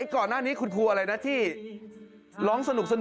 ก่อนหน้านี้คุณครูอะไรนะที่ร้องสนุก